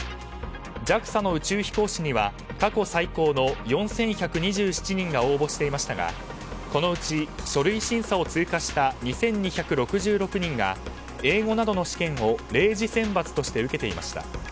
ＪＡＸＡの宇宙飛行士には過去最高の４１２７人が応募していましたがこのうち、書類審査を通過した２２６６人が英語などの試験を０次選抜として受けていました。